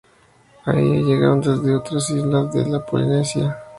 A ella llegaron desde otras islas de la Polinesia.